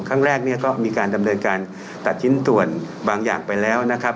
ครั้งแรกเนี่ยก็มีการดำเนินการตัดชิ้นส่วนบางอย่างไปแล้วนะครับ